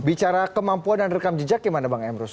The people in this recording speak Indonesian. bicara kemampuan dan rekam jejak gimana bang emrus